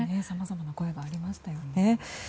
さまざまな声がありましたよね。